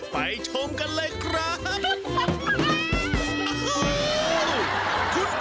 ชมกันเลยครับ